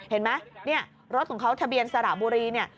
เห็นไหมนี่รถของเขาทะเบียนสระบุรี